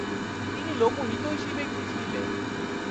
তিনি লোকহিতৈষী ব্যক্তি ছিলেন।